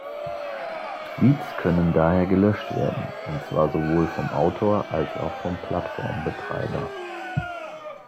Tweets können daher gelöscht werden, und zwar sowohl vom Autor als auch vom Plattform-Betreiber.